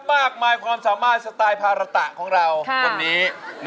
มากมายความสามารถสไตล์ภาระตะของเราคนนี้